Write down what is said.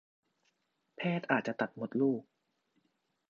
แพทย์อาจจะตัดมดลูก